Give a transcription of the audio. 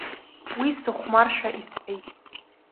Уи сыхәмаршәа исҳәеит.